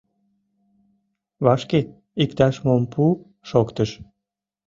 «Вашке иктаж-мом пу!» — шоктыш.